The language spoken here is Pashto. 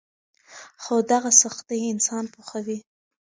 خو دغه سختۍ انسان پوخوي.